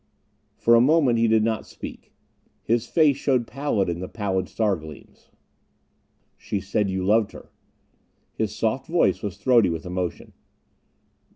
But for a moment he did not speak. His face showed pallid in the pallid star gleams. "She said you loved her." His soft voice was throaty with emotion.